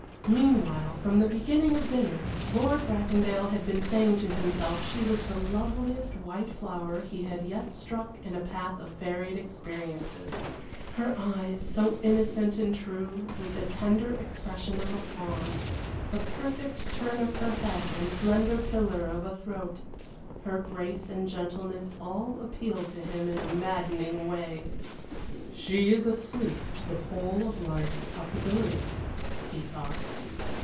Meanwhile, from the beginning of dinner, Lord Bracondale had been saying to himself she was the loveliest white flower he had yet struck in a path of varied experiences. Her eyes so innocent and true, with the tender expression of a fawn; the perfect turn of her head and slender pillar of a throat; her grace and gentleness, all appealed to him in a maddening way. "She is asleep to the whole of life's possibilities," he thought.